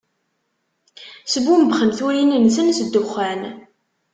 Sbumbxen turin-nsen s ddexxan.